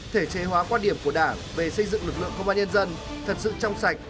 thể chế hóa quan điểm của đảng về xây dựng lực lượng công an nhân dân thật sự trong sạch